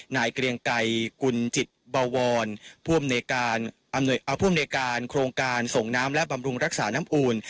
นายเกลียงไก่กุญจิตบวรภูมิในการอำหน่อยอ่าภูมิในการโครงการส่งน้ำและบำรุงรักษาน้ำอูน